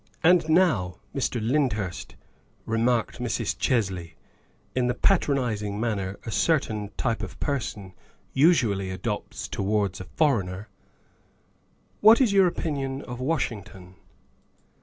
" And now, Mr. Lyndhurst," remarked Mrs. Chesley in the patronizing manner a certain type of person usually adopts towards a foreigner, '' what is your opin ion of Washington?"